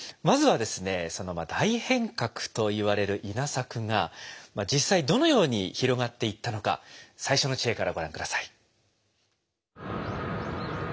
まずはですね大変革といわれる稲作が実際どのように広がっていったのか最初の知恵からご覧下さい。